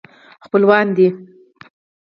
خپلوان دي.